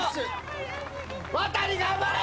ワタリ頑張れ！